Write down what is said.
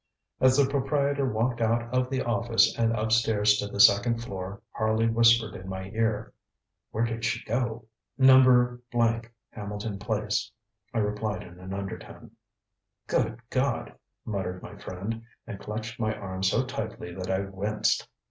ŌĆØ As the proprietor walked out of the office and upstairs to the second floor Harley whispered in my ear: ŌĆ£Where did she go? ŌĆØ ŌĆ£No. Hamilton Place, ŌĆØ I replied in an undertone. ŌĆ£Good God! ŌĆØ muttered my friend, and clutched my arm so tightly that I winced.